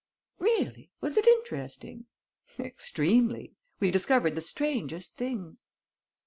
"Really? Was it interesting?" "Extremely. We discovered the strangest things."